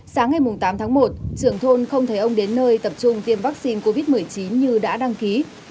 sáng ngày tám tháng một trưởng thôn không thấy ông đến nơi tập trung tiêm vaccine covid một mươi chín như đã đăng ký